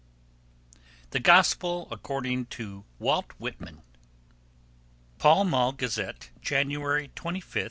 THE GOSPEL ACCORDING TO WALT WHITMAN (Pall Mall Gazette, January 25, 1889.)